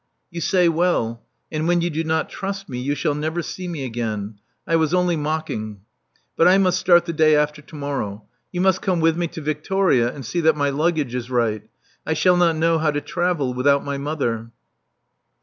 '* *'You say well. And when you do not trust me, you shall never see me again. I was only mocking. But I must start the day after to morrow. You must come with me to Victoria, and see that my luggage is right. I shall not know how to travel without my mother."